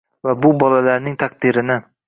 Va bu bolalarning taqdiri